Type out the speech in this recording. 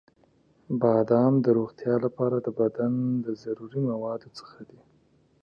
• بادام د روغتیا لپاره د بدن له ضروري موادو څخه دی.